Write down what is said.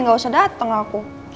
enggak usah dateng aku